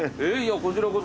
こちらこそ。